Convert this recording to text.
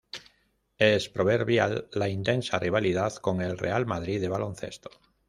Es proverbial la intensa rivalidad con el Real Madrid de baloncesto.